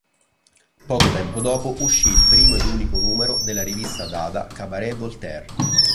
Poco tempo dopo uscì il primo ed unico numero della rivista Dada "Cabaret Voltaire".